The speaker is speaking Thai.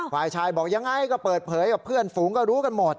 ฝ่ายชายบอกยังไงก็เปิดเผยกับเพื่อนฝูงก็รู้กันหมด